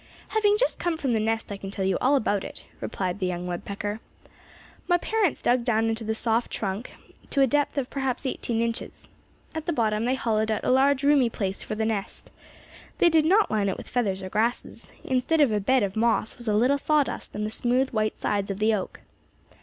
"Having just come from the nest I can tell you all about it," replied the young woodpecker. "My parents dug down into the soft trunk to a depth of perhaps eighteen inches. At the bottom they hollowed out a large roomy place for the nest. They did not line it with feathers or grasses. Instead of a bed of moss was a little sawdust and the smooth white sides of the oak.